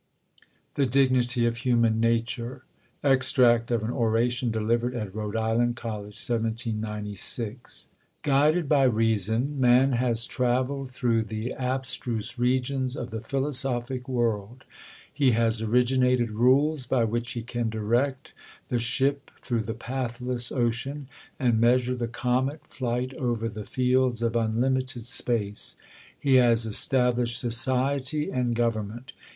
The Dignity of Human Nature. Extract of an Oration delivered at Rhode Island College, 1796. GUIDED by reason, man has travelled through the abstruse regions of the philosophic world 1 He has originated rules by which he can direct the ship i through the pathless ocean, and measure th^ comet'i flight over the fields of unlimited space. He has estab lished society and government.